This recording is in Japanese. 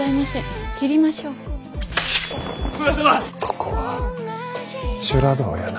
ここは修羅道やな。